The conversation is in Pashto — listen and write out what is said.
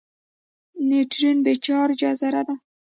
نیوټرون بې چارجه ذره ده.